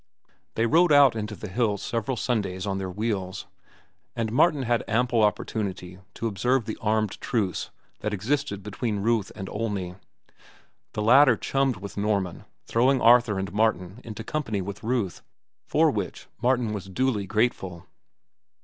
They rode out into the hills several Sundays on their wheels, and Martin had ample opportunity to observe the armed truce that existed between Ruth and Olney. The latter chummed with Norman, throwing Arthur and Martin into company with Ruth, for which Martin was duly grateful.